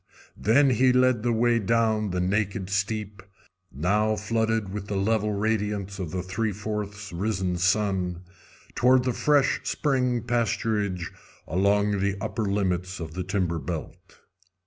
Then he led the way down the naked steep, now flooded with the level radiance of the three fourths risen sun, toward the fresh spring pasturage along the upper limits of the timber belt.